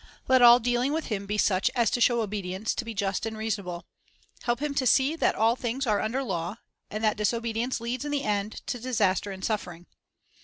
Let all dealing with him be such as to show obedience to be just and reasonable. Help him to see that all things are under law, and that diso bedience leads, in the end, to disaster and suffering.